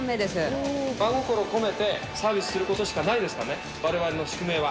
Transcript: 真心込めてサービスすることしかないですからね、われわれの宿命は。